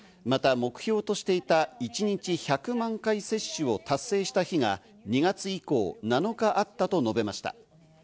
また目標としていた一日１００万回接種を達成した日が２月以降、７日あったと述べました。